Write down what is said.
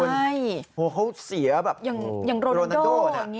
เหล่าเขาเสียแบบอย่างโรนานโด